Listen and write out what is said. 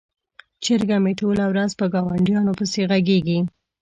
چرګه مې ټوله ورځ په ګاونډیانو پسې غږیږي.